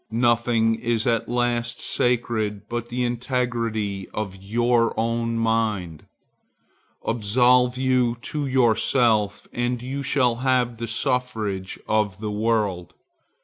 Nothing is at last sacred but the integrity of your own mind. Absolve you to yourself, and you shall have the suffrage of the world.